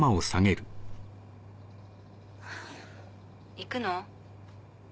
・行くの？